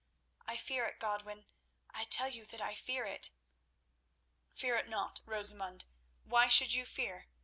I fear it, Godwin—I tell you that I fear it." "Fear it not, Rosamund. Why should you fear?